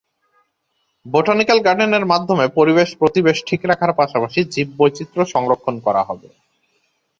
Botanical গার্ডেনের মাধ্যমে পরিবেশ-প্রতিবেশ ঠিক রাখার পাশাপাশি জীববৈচিত্র্য সংরক্ষণ করা হবে।